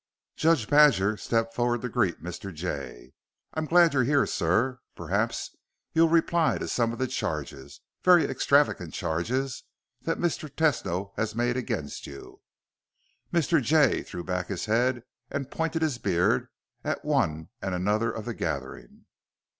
Judge Badger stepped forward to greet Mr. Jay. "I'm glad you're here, sir. Perhaps you'll reply to some of the charges very extravagant charges that Mr. Tesno has made against you." Mr. Jay threw back his head and pointed his beard at one and another of the gathering.